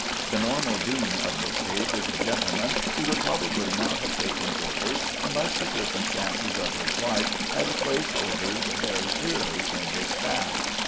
The normal dean of this age is a gentleman who would probably not have taken orders unless the circumstances of his life had placed orders very clearly in his path.